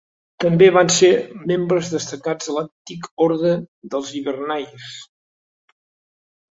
També van ser membres destacats de l'Antic Ordre dels Hibernians.